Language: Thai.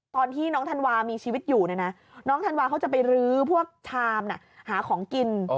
ตอนที่น้องธันวามีชีวิตอยู่น้องธันวาเขาจะไปรื้อพวกชามหาของกิน